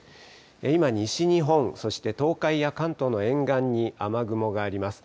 今、西日本、そして東海や関東の沿岸に雨雲があります。